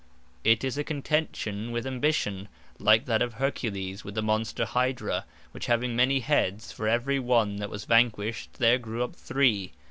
It is a contention with Ambition, like that of Hercules with the Monster Hydra, which having many heads, for every one that was vanquished, there grew up three.